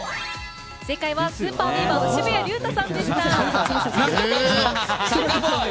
ＳＵＰＥＲＢＥＡＶＥＲの渋谷龍太さんでした。